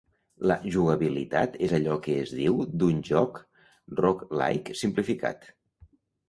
La jugabilitat és allò que es diu d'un joc roguelike simplificat.